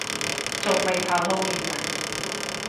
仲未頭痛完啊？